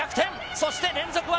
そして、連続技。